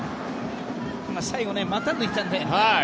最後、股抜いたね。